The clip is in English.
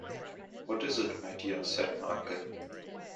“What is it, my dear?” said my uncle.